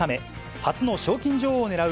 初の賞金女王を狙う